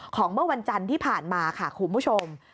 เมื่อวันจันทร์ที่ผ่านมาค่ะคุณผู้ชม